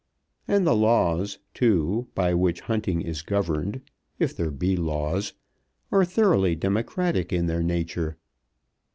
And the laws, too, by which hunting is governed, if there be laws, are thoroughly democratic in their nature.